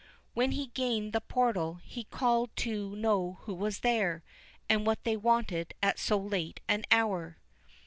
When he gained the portal, he called to know who was there, and what they wanted at so late an hour.